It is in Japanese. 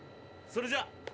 それじゃ。